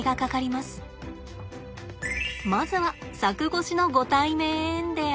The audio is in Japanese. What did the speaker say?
まずは柵越しのご対面で相性を見ます。